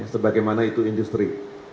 sebagai mana itu industri